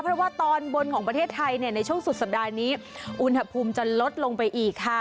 เพราะว่าตอนบนของประเทศไทยในช่วงสุดสัปดาห์นี้อุณหภูมิจะลดลงไปอีกค่ะ